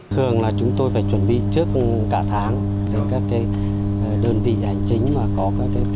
thường là chúng tôi phải chuẩn bị trước cả tháng để các đơn vị hành chính mà có các cái